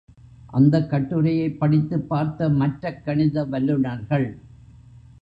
அந்த கட்டுரையைப் படித்துப் பார்த்த மற்றக் கணித வல்லுநர்கள்.